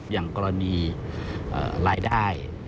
อย่างกรณีรายได้